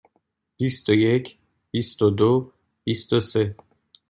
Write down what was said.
بیست و یک، بیست و دو، بیست و سه.